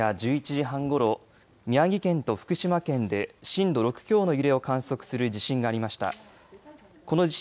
昨夜１１時半ごろ宮城県と福島県で震度６強の揺れを観測する地震がありました。